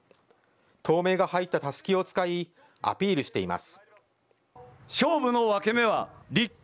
党名が入ったたすきを使い、アピールしています。